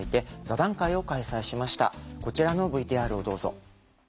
こちらのＶＴＲをどうぞ。